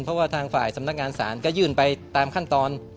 เพราะว่าทางฝ่ายสำนักงานศาลก็ยื่นไปตามขั้นตอน